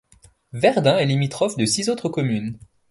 Verdun est limitrophe de six autres communes.